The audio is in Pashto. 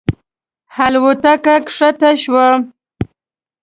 الوتکه کښته شوه.